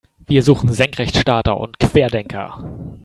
Wir suchen Senkrechtstarter und Querdenker.